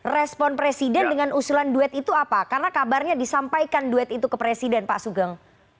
respon presiden dengan usulan duet itu apa karena kabarnya disampaikan duet itu ke presiden pak sugeng